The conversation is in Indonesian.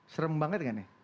serem banget gak nih